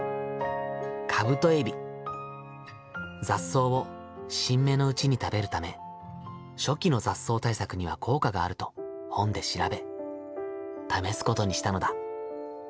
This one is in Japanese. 雑草を新芽のうちに食べるため初期の雑草対策には効果があると本で調べ試すことにしたのだ。